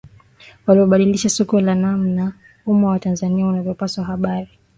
vilivyobadilisha soko la namna umma wa Tanzania unavyopashwa habari